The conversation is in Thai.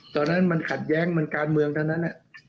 ตอนนั้นมันขัดแย้งมันการเมืองทั้งนั้น